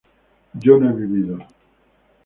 yo no he vivido